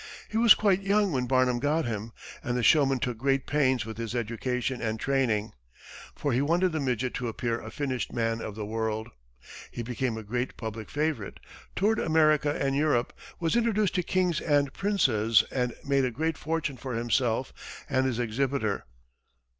He was quite young when Barnum got him, and the showman took great pains with his education and training, for he wanted the midget to appear a finished man of the world. He became a great public favorite, toured America and Europe, was introduced to kings and princes and made a great fortune for himself and his exhibitor.